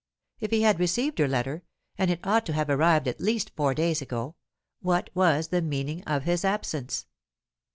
If he had received her letter and it ought to have arrived at least four days ago what was the meaning of his absence?